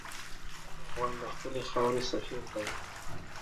هر افغان د خپلې خاورې سفیر دی.